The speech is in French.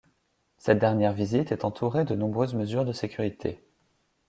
Cette dernière visite est entourée de nombreuses mesures de sécurité.